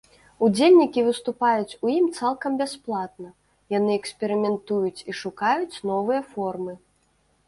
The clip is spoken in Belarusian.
Удзельнікі выступаюць у ім цалкам бясплатна, яны эксперыментуюць і шукаюць новыя формы.